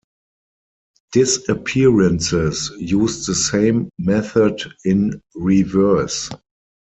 Disappearances used the same method in reverse.